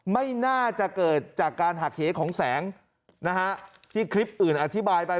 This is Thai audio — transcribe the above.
ไม่น่าจะเกิดจากการหักเหของแสงนะฮะที่คลิปอื่นอธิบายไป